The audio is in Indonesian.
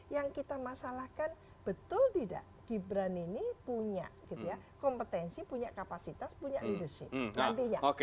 yang kita masalahkan betul tidak gibran ini punya kompetensi punya kapasitas punya leadership